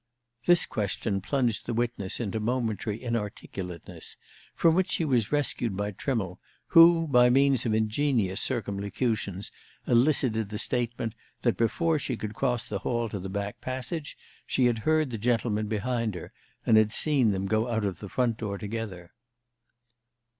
This question plunged the witness into momentary inarticulateness, from which she was rescued by Trimmle, who, by means of ingenious circumlocutions, elicited the statement that before she could cross the hall to the back passage she had heard the gentlemen behind her, and had seen them go out of the front door together.